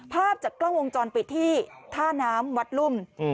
ภาพจากกล้องวงจรปิดที่ท่าน้ำวัดรุ่ม